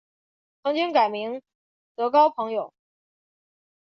曾经改名德高朋友。